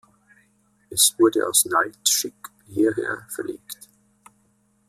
Es wurde aus Naltschik hierher verlegt.